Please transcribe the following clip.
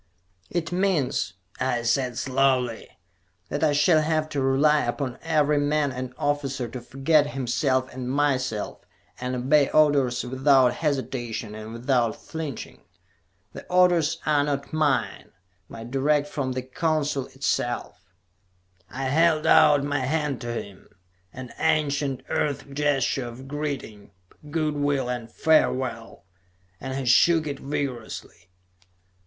"It means," I said slowly, "that I shall have to rely upon every man and officer to forget himself and myself, and obey orders without hesitation and without flinching. The orders are not mine, but direct from the Council itself." I held out my hand to him an ancient Earth gesture of greeting, good will and farewell and he shook it vigorously.